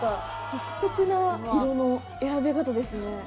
独特な色の選び方ですね。